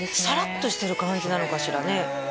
さらっとしてる感じなのかしらね